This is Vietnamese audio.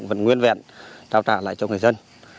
vẫn nguyên vẹn trao trả lại cho người dân